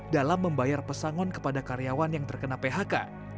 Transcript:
dalam membayar pesangon kepada karyawan yang terkena phk